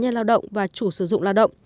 nhân lao động và chủ sử dụng lao động